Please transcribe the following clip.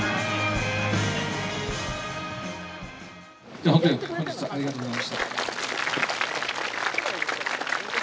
じゃあ本当に本日はありがとうございました。